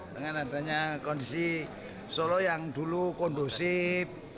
dengan adanya kondisi solo yang dulu kondusif